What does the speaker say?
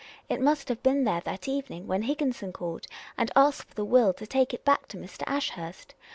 It must have been there that evening when Higginson called and asked for the will to take it back to Mr. Ashurst.